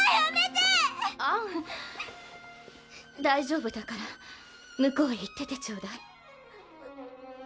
大丈夫だから向こうへ行っててちょうだい。